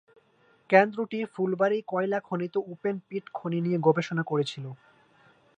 কেন্দ্রটি ফুলবাড়ি কয়লা খনিতে ওপেন-পিট খনি নিয়ে গবেষণা করেছিল।